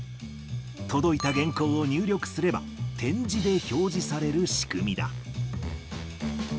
届いた原稿を入力すれば、点字で表示される仕組みだ。